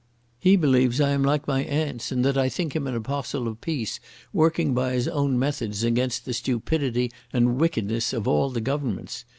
He believes I am like my aunts, and that I think him an apostle of peace working by his own methods against the stupidity and wickedness of all the Governments.